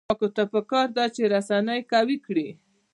چارواکو ته پکار ده چې، رسنۍ قوي کړي.